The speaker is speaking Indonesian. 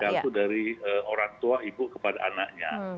vertikal itu dari orang tua ibu kepada anaknya